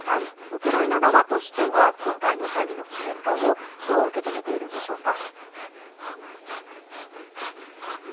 ウクライナ側としては今回の会議の成果をどう受け止めているんでしょうか。